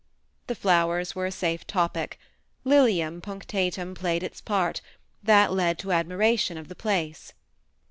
The flowers were a safe topic, Lilnim punctatum played its part; that led to admiration of the place.